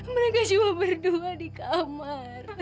mereka cuma berdua di kamar